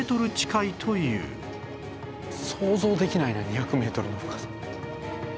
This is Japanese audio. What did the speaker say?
想像できないな２００メートルの深さ。